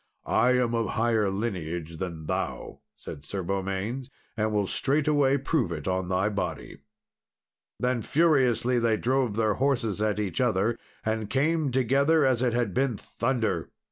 "I am of higher lineage than thou," said Sir Beaumains, "and will straightway prove it on thy body." Then furiously they drove their horses at each other, and came together as it had been thunder.